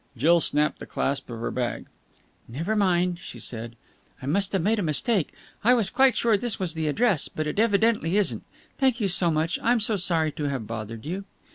Jill snapped the clasp of her bag. "Never mind," she said. "I must have made a mistake. I was quite sure that this was the address, but it evidently isn't. Thank you so much. I'm so sorry to have bothered you."